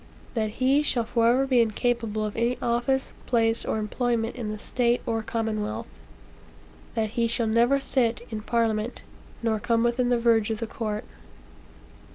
That he shall forever be incapable of any office, place, or employment in the state or commonwealth. That he shall never sit in Parliament, nor come within the verge of the court."